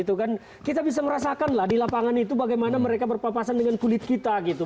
itu kan kita bisa merasakan lah di lapangan itu bagaimana mereka berpapasan dengan kulit kita gitu